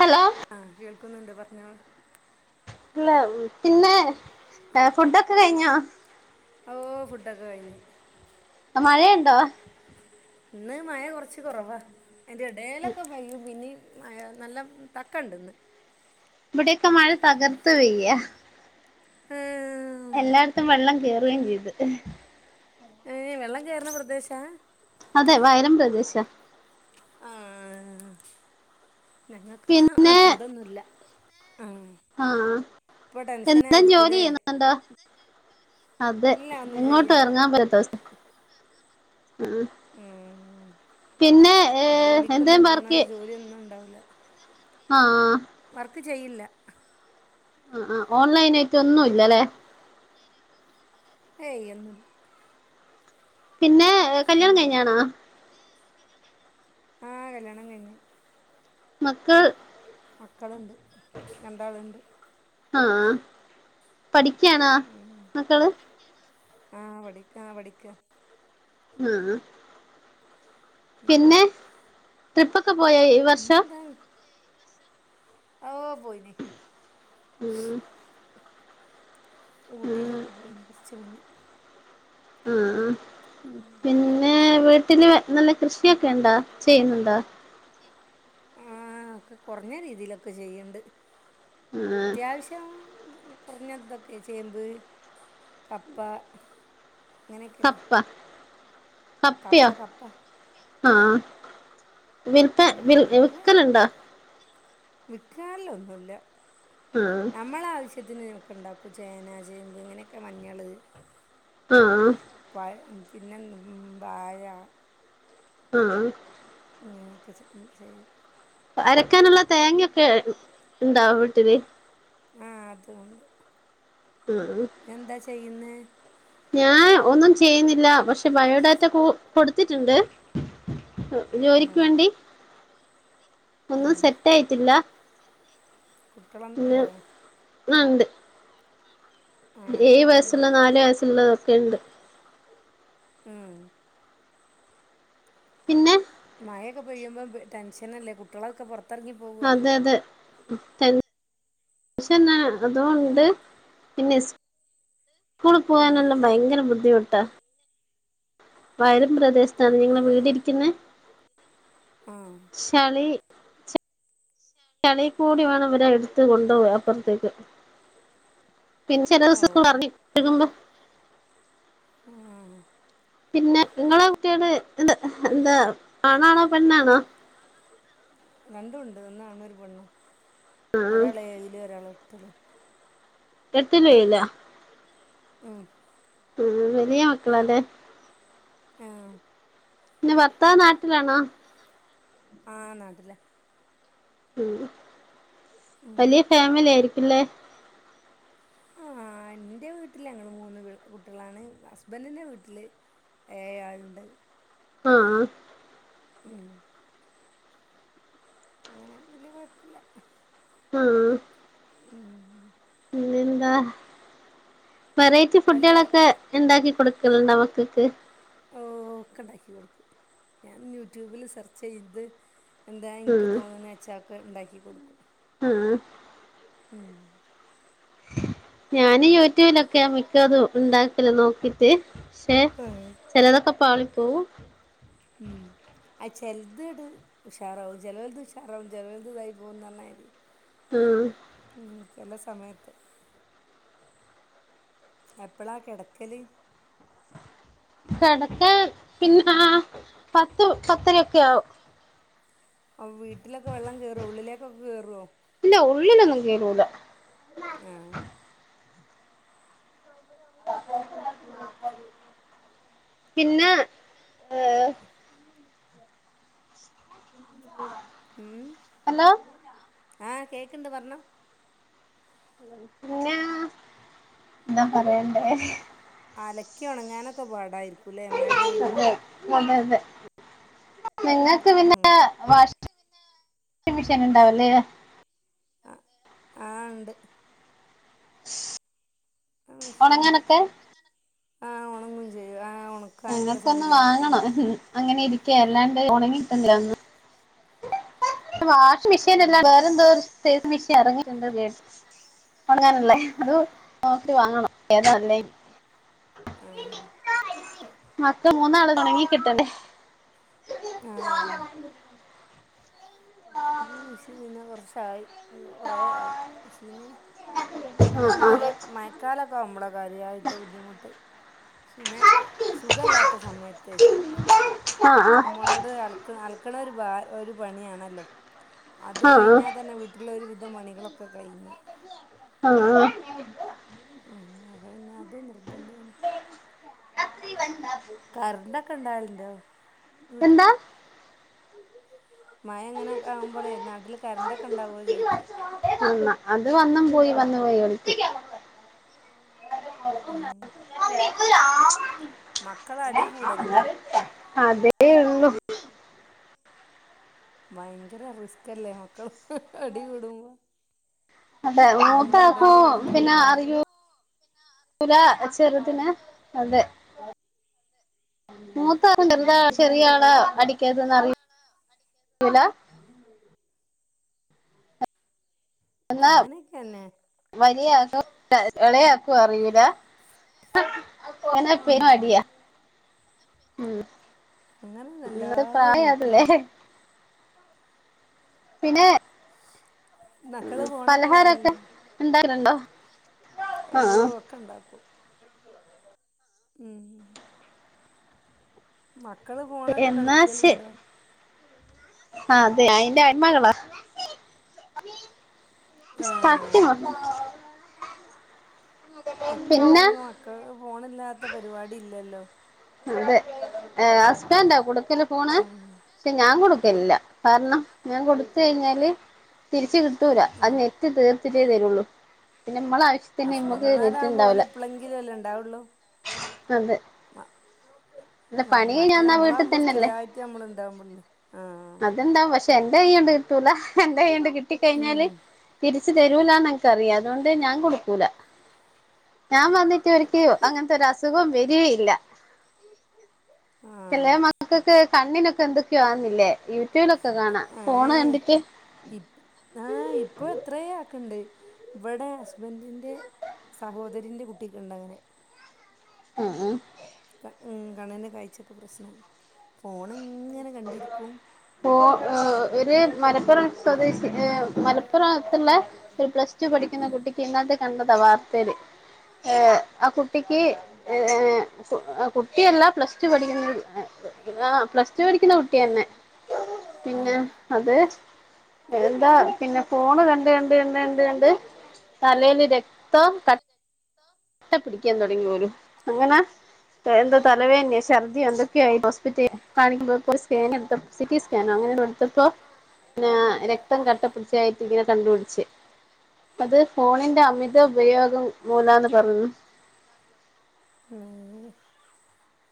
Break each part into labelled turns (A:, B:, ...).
A: Hello
B: ആഹ കേൾക്കുന്നുണ്ട് പറഞ്ഞോള്
A: ഇല്ല പിന്നെ ഫുഡൊക്കെ കഴിഞ്ഞോ
B: ഓ ഫുഡൊക്കെ കഴിഞ്ഞു
A: മഴയുണ്ടോ
B: ഇന്ന് മഴ കുറച്ച് കുറവാ അതിന്റെ ഇടയിലൊക്കെ പയ്യും പിന്നെ നല്ല തക്ക ഉണ്ട ഇന്ന്
A: ഇവിടെയൊക്കെ മഴ തകർത്ത് പെയ്യ
B: ആഹ
A: എല്ലായിടത്തും വെള്ളം കേറെയ്ം ചെയ്തു
B: ഏ വെള്ളം കേറുന്ന പ്രദേശാ
A: അതെ വയലം പ്രദേശ
B: ആഹ ഞങ്ങക്ക്ന്ന അതൊന്നുല്ല ആഹ്
A: ആഹ
B: ഇപ്പൊ
A: എന്താ [unintelligible]
B: ടെൻഷനായിരിക്കൂല്ലേ
A: ജോലിയ്യു [unintelligible] ന്നുണ്ടോ അതെ
B: ഇല്ല ഒന്നും
A: എങ്ങോട്ട്
B: ചെയ്യണില്ല
A: എറങ്ങാൻ പറ്റാസ് ഉ
B: ഉം
A: പിന്നെ ഏ എന്തെ
B: ജോലിക്കൊന്നും
A: വർക്ക്
B: പോണോരെ ജോലിയൊന്നും ഉണ്ടാവൂല്ല
A: ആഹ
B: ത് ചെയ്യില്ല
A: ആ ആ ഓൺലൈൻ ആയിട്ട് ഒന്നുല്ല ലെ
B: ഏയ് ഒന്നുല
A: പിന്നെ കല്യാണം
B: ഉം
A: കഴിഞ്ഞാണാ
B: ആഹ കല്യാണം കൈഞ്ഞു
A: മക്കൾ
B: മക്കള്ണ്ട് രണ്ടാള്ണ്ട്
A: ആഹ പഠിക്യാണോ മക്കള്
B: ആഹ പഠിക്കാ പഠിക്ക
A: ഉം
B: ഉം.
A: പിന്നെ ട്രിപ്പൊക്കെ പോയോ ഈ വർഷം
B: പിന്നെന്താണ് ഓ പോയിന്
A: ഉം ഉം
B: ഊട്ടീലൊക്കെ പോയിനി കുറച്ച് മുന്നേ
A: ആ പിന്നെ വി പിന്നെ നല്ല കൃഷിയൊക്കെ ണ്ടോ ചെയ്യുന്നുണ്ടോ
B: ആ ഒക്കെ കുറഞ്ഞ രീതിലൊക്കെ ചെയ്യ്ണ്ട്
A: ആഹ്
B: അത്വാശ്യം പിന്നെതൊക്കെ ചേമ്പ് കപ്പ അങ്ങനെക്കെല്ലേ
A: കപ്പ
B: കപ്പ
A: കപ്പയോ
B: കപ്പ ആ
A: വിൽപ്പ് വിൽ വിക്കലുണ്ടാ
B: വിക്കാറിലൊന്നുല്ല
A: ആഹ്
B: നമ്മള ആവശ്യത്തിന് ക്കെണ്ടാക്കും ചേന ചേമ്പ് ഇങ്ങനെക്കെ മഞ്ഞള്
A: ആ
B: പിന്നെ എം വാഴ
A: ആ
B: ഇങ്ങക്കെ ചെ എ ചെയ്യും
A: അരക്കാനുള്ള തേങ്ങൊക്കെ ഇണ്ടാ വീട്ടില്
B: ആ അതൊണ്ട്
A: ആഹ്
B: എന്താ ചെയ്യുന്നെ
A: ഞാൻ ഒന്നും ചെയ്യുന്നില്ല പക്ഷെ ബയോഡാറ്റ കൊടുത്തിട്ടുണ്ട് ജോലിക്ക്
B: ഉം
A: വേണ്ടി ഒന്നു സെറ്റായിട്ടില്ല
B: കുട്ടളം ണ്ടോ
A: നണ്ട്
B: ആ എത്ര
A: ഏഴ്
B: ആളാ
A: വയസ്സുള്ള നാല് വയസ്സുള്ളതൊക്കെ ണ്ട്
B: ഉം
A: പിന്നെ
B: മഴയൊക്കെ പെയ്യുമ്പോ ടെൻഷനല്ലേ കുട്ട്യളൊക്കെ പുറ
A: അതെ അതെ ത പക്ഷെ ന്നാ അതോണ്ട് പിന്നെ സ് സ്കൂള്
B: ഉം
A: പോവാനെല്ലാം ഭയങ്കര ബുദ്ധിമുട്ടാ വയലും പ്രദേശത്താ നിങ്ങളെ വീട് ഇരിക്കുന്നെ
B: ആ
A: ശളി കളി കൂടി വേണംവരാ എടുത്ത് കൊണ്ടു പോകാൻ അപ്പുറത്തേക്ക് പിന്നെ ചില ദിവസം
B: ഓ
A: [unintelligible]
B: ആ
A: പിന്നെ നിങ്ങളെ കുട്ടികള് എന്താ എന്താ ആണാണോ പെണ്ണാണോ
B: രണ്ടും ഉണ്ട് ഒന്നാണ് ഒരു പെണ്ണും ഒരാൾ ഏഴിലും ഒരാൾ എട്ടിലും
A: [unintelligible]
B: ഉം
A: ഉ വലിയ മക്കളല്ലേ
B: ആ
A: പിന്നെ ഭർത്താവ് നാട്ടിലാണോ
B: ആ നാട്ടിലാ
A: ഉ
B: ഉം
A: വലിയ ഫാമിലി ആയിരിക്കല്ലേ
B: ആ എന്റെ വീട്ടിൽ ഞങ്ങള് മൂന്ന് കുട്ടികളാണ് ഹസ്ബൻറ്റിന്റെ വീട്ടില് ഏഴ് ആളുണ്ട്
A: ആ
B: ഉം അങ്ങനെ വല്യ കൊഴപ്പല്ല
A: ആ എന്താ വെറൈറ്റി
B: ഇപ്പല്ല
A: ഫുഡുകളൊക്കെ
B: കുട്ടികളൊക്കെ
A: ഉണ്ടാക്കി കൊടുക്കലുണ്ട മക്കക്ക്
B: ഓ ഒക്കെ ഉണ്ടാക്കി കൊടുക്കും ഞാൻ യൂട്യൂബിൽ സെർച്ച് ചെയ്ത് എന്താ എനിക്ക്
A: ഉം
B: തോന്നുന്നത് വെച്ചാക്കെ ഉണ്ടാക്കി കൊടുക്കും
A: ആ
B: ഉം
A: ഞാൻ യൂട്യൂബിലൊക്കെയ മിക്കതും ഉണ്ടാക്കല് നോക്കിട്ട് പക്ഷേ
B: ആഹ്
A: ചിലതൊക്കെ പാളി പോവും
B: ഉം ആ ചെലത് ഉഷാറാവും ചേലോരത് ഉഷാറാവും ചേലോരത് ഇതായി പോവുന്ന് പറഞ്ഞ മാതിരി
A: ആ
B: ചില സമയത്ത് എപ്പളാ കിടക്കല്
A: [unintelligible] കിടക്ക പിന്നെ ആ പത്തു പത്തരൊക്കെ ആവും
B: അ വീട്ടിലൊക്കെ വെള്ളം കേറുവോ ഉള്ളിലേക്കൊക്കെ കേറുവോ
A: ഇല്ല ഉള്ളിലൊന്നും കേറൂല
B: ആഹ്
A: [unintelligible] പിന്നെ ഏ
B: ഉം
A: ഹലോ
B: ആ കേക്കണ്ട് പറഞ്ഞോ
A: പിന്നെ എന്താ പറയണ്ടേ
B: അ അലക്കി ഉണങ്ങാനൊക്കെ പാടായിരിക്കൂല്ലേ മഴ പെയ്യുമ്പോ
A: അതെ അതെ നിങ്ങൾക്ക് പിന്നെ
B: ഉം
A: വാഷിങ് വാഷിംഗ് മിഷീൻ ഉണ്ടാവല്ലേ
B: ആ ആ ഉണ്ട്
A: ഉണങ്ങാനൊക്കെ
B: ആ ഉണങ്ങും ചെയ്യും ആ ഒണക്കാനുള്ള
A: ഞങ്ങക്ക്‌ ഒന്ന്
B: സംവിധാനൊക്കെ
A: വാങ്ങണം
B: ഇണ്ട്
A: അങ്ങനെ ഇരിക്ക അല്ലാണ്ട് ഉണങ്ങി കിട്ടുന്നില്ല ഒന്ന് വാഷിങ് മെഷീൻ അല്ല
B: ആഹ്
A: വേറെന്തോ [unintelligible] മെഷീൻ ഇറങ്ങിട്ട്ണ്ട് കേട്ട് ഉണങ്ങാനുള്ള അത് നോക്കി വാങ്ങണം ഏതാ നല്ലേ
B: ആഹ്
A: മൊത്തം മൂന്നാളത് ഉണങ്ങി കിട്ടണ്ടെ
B: ആ ഇ മഷീന്ന് കൊറച്ചായി കൊറ ആയി മഷീന്
A: ആ ആ
B: അങ്ങനെ മഴ മഴക്കാലൊക്കെ ആവുമ്പോള കാര്യമായിട്ട് ബുദ്ധിമുട്ട് പിന്നെ സുഖല്ലാത്ത സമയത്ത്
A: ആ
B: നമ്മളോട് അൽക്ക അൽക്കണ ഒരു ഭാര ഒരു പണിയാണല്ലോ അത്
A: ആ
B: കഴിഞ്ഞാൽ തന്നെ വീട്ടിലൊരു വി വിധം പണികളൊക്കെ കഴിഞ്ഞ്
A: ആ ആഹ്
B: ഉം അത് പിന്നെ അത് നിർബന്ധെനി
A: രാത്രി വണ്ടാ
B: കറണ്ടൊക്കെ ഇണ്ടാവലിണ്ടോ
A: എന്താ
B: മഴ അങ്ങനെ ആകുമ്പോളേ നാട്ടില് കരണ്ടൊക്കെ ഉണ്ടാവുവോ ചോദിക്കാ
A: എന്നാ അത് വന്നും പോയി വന്നും പോയി കളിക്കും ഒരു ആ ച്ച്
B: മക്കളടി കൂടല്ണ്ട്
A: അതെ ഉള്ളൂ
B: ഭയങ്കര റിസ്ക് അല്ലേ മക്കള് അടികൂടുമ്പോ
A: അതെ മൂത്താക്കൂ
B: കിടന്ന്
A: പിന്നെ
B: കുടുങ്ങും
A: അറിയൂ [unintelligible] ലാ വെച്ച് ചെറുതിന് അതെ
B: ഉം
A: മൂത്താളുണ്ടല്ലേ ചെറിയ ആള് അടി ക്കാത്തത് അറിയും ലാ എന്ന് [unintelligible]
B: അങ്ങനെയൊക്കെ തന്നെ
A: വലിയ [inaudible] എളയാക്കും അറിയൂല എന്നാ പിനം
B: ഉം
A: അടിയ ഉം
B: അങ്ങനാണ് എല്ലാ വീട്ടിലും
A: പിന്നേ ഉ
B: മക്കള് ഫോണൊക്കെ
A: പലഹാരൊക്കെ
B: കാണലുണ്ടോ
A: ഉണ്ടാ [inaudible] ണ്ടോ
B: ഓ ഒക്കെ ഉണ്ടാക്കും ഉം മക്
A: എന്നാ ശെ അതെ അയിന്റെ അ ഉമ്മകളാ സ്തക്കി
B: ആഹ്
A: നോക്കും
B: ഇപ്പൊ മൂന്ന് മക്കൾ ഓ ഫോണില്ലാത്ത പരിപാടി ഇല്ലല്ലോ
A: അതെ ഏ ഹസ്ബന്റാ കൊടുക്കല് ഫോണ്
B: ഉം
A: പക്ഷെ ഞാൻ കൊടു ക്കില്ല കാരണം ഞാൻ കൊടുത്ത് കഴിഞ്ഞാല് തിരിച്ച് കിട്ടൂല അത്
B: ഉം
A: ഞെറ്റ് തീർ ത്തിട്ടേ തരുള്ളൂ പി
B: ഹസ്ബൻഡുമാരാവുമ്പോ ഓല് എപ്പളെങ്കിലും അല്ലേ ഉണ്ടാവുള്ളു
A: അതെ അല്ല
B: ആ
A: പണി കഴിഞ്ഞ്
B: മറ്റേ
A: വന്നാ വീട്ടിൽ
B: നമ്മളാവുമ്പോ
A: തന്നെയല്ലേ
B: സ്ഥിരായിട്ട് നമ്മള് ഇണ്ടാവുമ്പള്ള് ആഹ്
A: പ എന്റെ കൈ ഞാൻ പെരുത്തൂല എന്റെ കയ്യണ്ട് കിട്ടി കഴിഞ്ഞാല്
B: ഉം
A: തിരി ച്ച് തരൂലാന്ന് എനക്ക് അറിയാം അതുകൊണ്ട് ഞാൻ കൊടുക്കൂല ഞാൻ വന്നിട്ട് ഒരിക്ക അങ്ങനത്തെ ഒരു അസുഖം വരിക ഇല്ല ചെലേ
B: ആഹ്
A: മക്കക്കൊക്കെ കണ്ണിനൊക്കെ എന്തൊക്കെയാന്നില്ലേ ഈ
B: ഏയ് ഇ ആ ഇപ്പൊ എത്രയ ആക്കണ്ട് ഇവിടെ ഹസ്ബന്റിന്റെ സഹോദരിന്റെ കുട്ടിക്കൊണ്ടങ്ങനെ
A: ഉം ഉം
B: ക ഉം കണ്ണിന്റെ കാഴ്ചയൊക്കെ പ്രശ്നം ഫോണ് ഇങ്ങനെ കണ്ടിരിക്കും
A: ഓ ഓ ഒരു മലപ്പുറം സ്വദേശി ഏ മലപ്പുറാത്തുള്ള ഒരു പ്ലസ് ച്ചു പഠിക്കുന്ന
B: ഉം
A: കുട്ടിക്ക് ഇന്നാത്തെ കണ്ടതാ വാർത്തയില് ഏ ആ കുട്ടിക്ക് ഏ കു കുട്ടിയല്ല പ്ലസ് ടു പഠിക്കുന്ന [unintelligible] വ് വിറാ പ്ലസ് ടു പഠിക്കുന്ന കുട്ടിയന്നെ
B: ഉം
A: പിന്നെ അത് എന്താ പിന്നെ ഫോണ് കണ്ട് കണ്ട് കണ്ട് കണ്ട് കണ്ട് തലേല് രക്തം ക വട്ട പിടിക്കാൻ തുടങ്ങി പോലും അങ്ങനെ എന്താ തലവേന്നെയ ശർദി എന്ത്‌ [unintelligible] അങ്ങനെ എടുത്തപ്പോ പിന്ന രക്തം കട്ടപ്പിടിച്ചായിട്ട് ഇങ്ങനെ കണ്ടുപിടിച്ച് അത് ഫോണിന്റെ അമിത ഉപയോഗം മൂലാന്ന് പറഞ്ഞു
B: [unintelligible]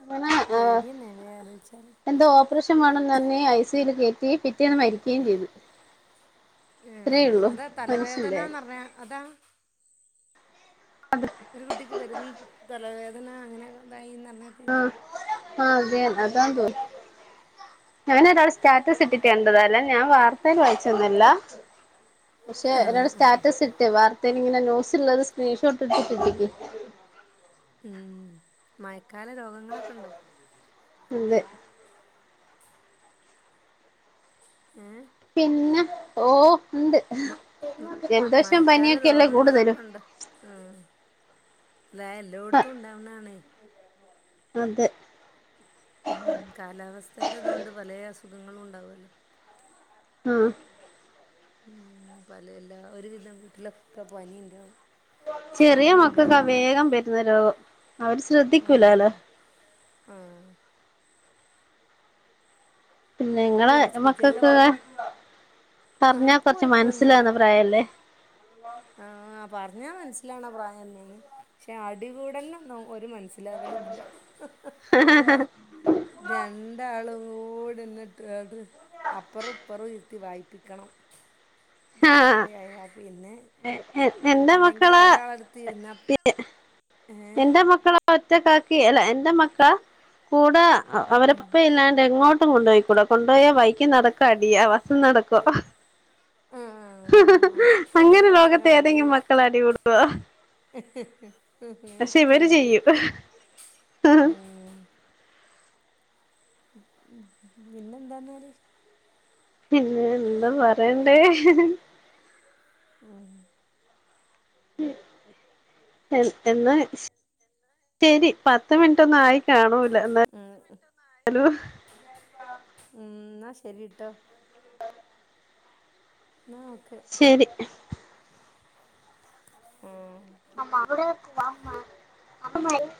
A: അങ്ങനെ ഏ
B: പേടിയന്നെല്ലേ ആലോചിച്ചാല്
A: എന്തോ ഓപ്പറേഷൻ വേണെന്ന് പറഞ് ഐ സി യു ല് കേറ്റി തീ പിറ്റേന്ന് മരിക്കയും ചെയ്ത്
B: ഉം അതാ
A: കാര്യം
B: തലവേദനാന്ന്റിഞ്ഞ അതാ ഒരു കുട്ടിക്ക് വരുന്ന തലവേദന അങ്ങനെണ്ടായി
A: ആഹ് ആഹ് അതേന്ന് [unintelligible] ഞാനതൊരാൾ സ്റ്റാറ്റസ് ഇട്ടിട്ട് കണ്ടതാ അല്ലാതെ ഞാൻ വാർത്തേല് വായിച്ചൊന്നല്ല പക്ഷെ ഒരാൾ
B: ആഹ് ആഹ്
A: സ്റ്റാറ്റസ് ഇട്ട് വാർ ഇങ്ങനെത്തേത് ന്യൂസിലുള്ളത് സ്ക്രീൻഷോട്ട് ഇട്ടിട്ട് ഇടില്ലേ
B: ഉം മയക്കാല രോഗങ്ങളൊക്കെ ണ്ടോ
A: ഇണ്ട്
B: ഏ
A: പിന്നെ ഓ ഉണ്ട്
B: മ മ
A: ജലദോഷം
B: മഴക്കാല
A: പനിയൊക്കെയല്ലേ
B: രോഗങ്ങളൊക്കെ
A: കൂടുതലും
B: ഇണ്ടോ ഉം ല്ലേ എല്ലോടുത്തും ഇണ്ടാവണതാണേ
A: അതെ
B: കാലാവസ്ഥന്റെ ഇതൊണ്ട് പലേ അസുഖങ്ങളും ഉണ്ടാവല്ലോ
A: ആഹ്
B: പലേല്ല ഒരുവിധം വീട്ടിലൊക്കെ പനി ഇണ്ടാവും
A: ചെറിയ മക്കൊക്കെ വേഗം വരുന്നേ രോഗം അവര് ശ്രദ്ധിക്കൂലാലോ
B: ആഹ്
A: പിന്നെ ങ്ങളെ
B: ഹോസ്പിറ്റലിലൊക്കെ
A: മക്കൾകൊക്കെ
B: ആ
A: പറഞ്ഞാ കുറച്ച് മനസ്സിലാന്ന പ്രായല്ലേ
B: ആഹ പറഞ്ഞാൽ മനസ്സിലാവ്ണ പ്രായന്നേ പക്ഷെ അടികൂടെലിൻ ഒന്നും ഒരു മനസിലാവലുല്ല ഹഹഹ രണ്ടാളും [unintelligible] അപ്പറം ഇപ്പറം ഇരുത്തി വായിപ്പിക്കണം
A: ആഹ്
B: രാത്രി ആയാൽ പിന്നെ
A: എന്റെ
B: അല്ലെങ്കിൽ
A: മക്കളാ
B: ഒരാളടുത്ത് ഇരുന്നാ ഏ
A: എന്റെ മക്കളാ ക്കാക്കി അല്ല എന്റെ മക്ക കൂടെ അവരപ്പ ഇല്ലാണ്ട് എങ്ങോട്ട് കൊണ്ടുപോയിക്കൂടാ കൊണ്ടുപോയ ബൈക്കിനടക്കം അടിയാ വയ്ക്ക്നടക്കം
B: ആ അതന്നെ
A: അങ്ങനെ
B: പ്രശ്നം
A: ലോകത്തെ ഏതെങ്കിലും മക്കള അടികൂടുവാ
B: [unintelligible] ക്കെണ്ട്
A: ചെയ്യും
B: ഉം പിന്നെ എന്താന്നാല്
A: പിന്ന എന്താ പറയണ്ടേ
B: [inaudible]
A: ഉം എ എന്നാ ശരി പത്ത് മിനിറ്റ് ഒന്ന് ആയി കാണോ
B: ഉം ഉം
A: [unintelligible]
B: ഉം ന്നാ ശരിട്ടോ ന്നാ ഓക്കെ
A: ശരി
B: ഉം
A: ആ അവിടെ [unintelligible]